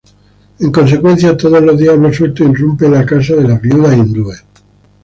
En consecuencia, todos los diablos sueltos irrumpen en la casa de las viudas hindúes.